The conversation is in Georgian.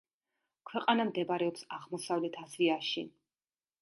ქვეყანა მდებარეობს აღმოსავლეთ აზიაში.